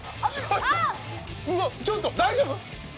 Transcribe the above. うわちょっと大丈夫？